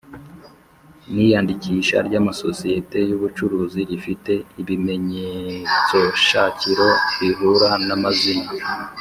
n iyandikisha ry amasosiyete y ubucuruzi rifite ibimenyetsoshakiro bihura n amazina